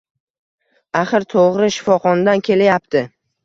Axir, to‘g‘ri shifoxonadan kelyapti.